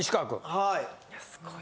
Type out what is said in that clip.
はい。